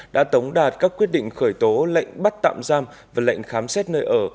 đã tống đạt các quyết định khởi tố lệnh bắt tạm giam và lệnh khám xét nơi ở